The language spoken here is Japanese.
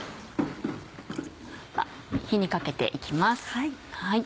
火にかけて行きます。